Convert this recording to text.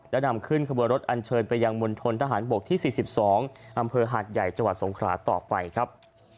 และนำขึ้นขบวนรถอันเชิญไปยังมณฑนทหารบกที่๔๒อำเภอหาดใหญ่จังหวัดสงขราต่อไปครับ